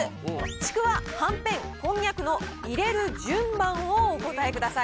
ちくわ、はんぺん、こんにゃくの入れる順番をお答えください。